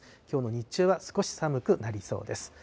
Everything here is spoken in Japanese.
きょうの日中は少し寒くなりそうです。